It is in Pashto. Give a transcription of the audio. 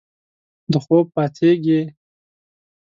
د خوب پاڅیږې